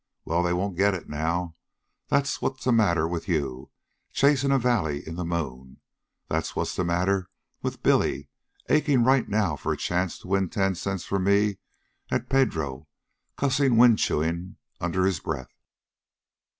Well, they won't get it now. That's what's the matter with you, chasing a valley in the moon. That's what's the matter with Billy, aching right now for a chance to win ten cents from me at Pedro cussing wind chewing under his breath."